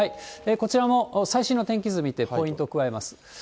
こちらも最新の天気図見て、ポイントを加えます。